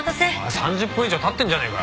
３０分以上経ってんじゃねえか。